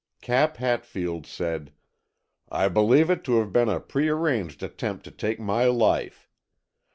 Cap Hatfield said: "I believe it to have been a prearranged attempt to take my life.